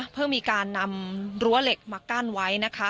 เพื่อมีการนำรั้วเหล็กมากั้นไว้นะคะ